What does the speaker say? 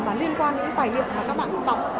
và liên quan đến tài liệu mà các bạn đọc